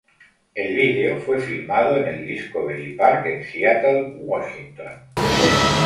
El vídeo fue filmado en el Discovery Park en Seattle, Washington.